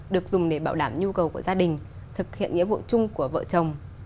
được dùng để bảo đảm nhu cầu của gia đình thực hiện nghĩa vụ chung của vợ chồng